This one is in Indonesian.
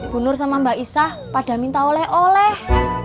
bu nur sama mbak isah pada minta oleh oleh